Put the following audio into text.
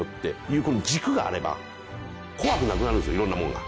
いろんなもんが。